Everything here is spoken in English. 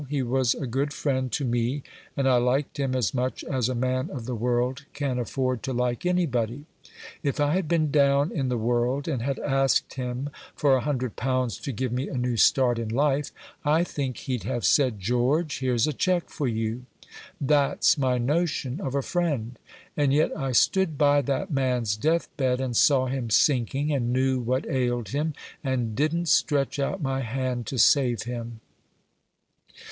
He was a good friend to me, and I liked him as much as a man of the world can afford to like anybody. If I had been down in the world, and had asked him for a hundred pounds to give me a new start in life, I think he'd have said, 'George, here's a cheque for you.' That's my notion of a friend. And yet I stood by that man's deathbed, and saw him sinking, and knew what ailed him, and didn't stretch out my hand to save him."